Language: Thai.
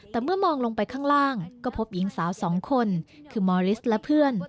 แต่เมื่อมองลงไปข้างล่างก็พบหญิงสาวสองคนคือมอลิสและเพื่อน